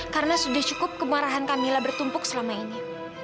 karena sudah cukup kemarahan kamila bertumpuk selama ini